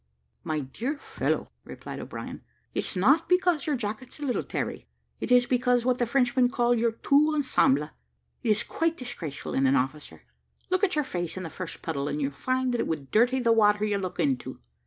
"My dear fellow," replied O'Brien, "it's not because your jacket's a little tarry; it is because what the Frenchman call your tout ensemble is quite disgraceful in an officer. Look at your face in the first puddle, and you'll find that it would dirty the water you look into."